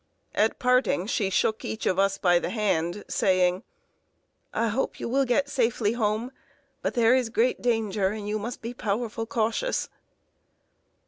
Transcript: At parting, she shook each of us by the hand, saying: "I hope you will get safely home; but there is great danger, and you must be powerful cautious."